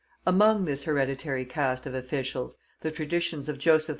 Among this hereditary caste of officials the traditions of Joseph II.